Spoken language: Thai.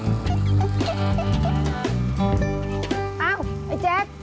เอ้าไอ้แจ๊ค